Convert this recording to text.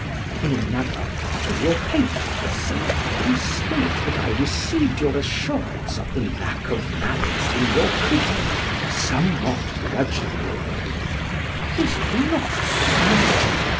In another part of your paper, Sir, you state that I received your assurance of the lack of malice in your critic "somewhat grudgingly." This is not so.